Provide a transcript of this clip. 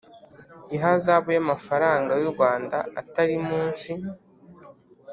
ihazabu y amafaranga y u Rwanda atari munsi